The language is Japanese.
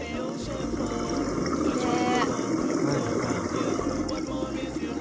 きれい。